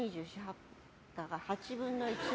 ８分の１。